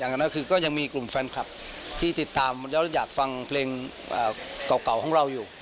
อันนั้นคือก็ยังมีกลุ่มแฟนคลับที่ติดตามแล้วอยากฟังเพลงเก่าของเราอยู่